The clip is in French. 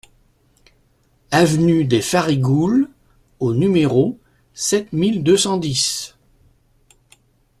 Avenue des Farigoules au numéro sept mille deux cent dix